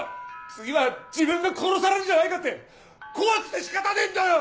次は自分が殺されるんじゃないかって怖くて仕方ねえんだよ‼